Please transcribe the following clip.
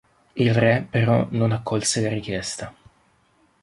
Il re, però, non accolse la richiesta.